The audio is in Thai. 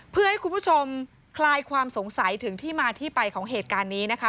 เพื่อให้คุณผู้ชมคลายความสงสัยถึงที่มาที่ไปของเหตุการณ์นี้นะคะ